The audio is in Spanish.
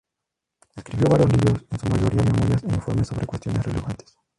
Escribió varios libros, en su mayoría memorias e informes sobre cuestiones relevantes.